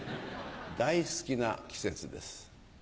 大好きな季節です。